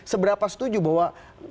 seberapa setuju bahwa